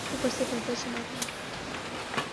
وہ پس پردہ چلاگیا۔